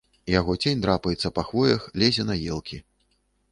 Яго цень драпаецца па хвоях, лезе на елкі.